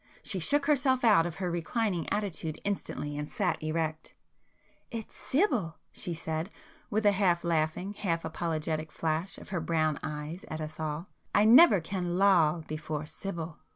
She shook herself out of her reclining attitude instantly and sat erect. "It's Sibyl!" she said with a half laughing half apologetic flash of her brown eyes at us all—"I never can loll before Sibyl!"